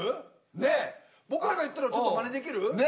僕らが言ったのちょっとまねできる？